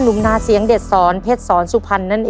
นุ่มนาเสียงเด็ดสรรเพชรสรรสุพรรณครับเติมให้ดีนะครับ